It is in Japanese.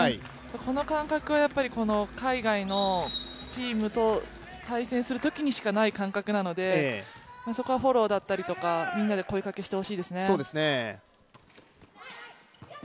この感覚はやっぱり、海外のチームと対戦するときにしかない感覚なのでそこはフォローだったりとか、みんなで声かけしてほしいですね。